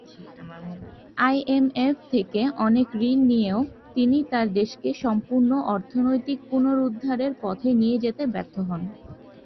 IMF থেকে অনেক ঋণ নিয়েও তিনি তার দেশকে সম্পূর্ণ অর্থনৈতিক পুনরুদ্ধারের পথে নিয়ে যেতে ব্যর্থ হন।